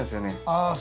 ああ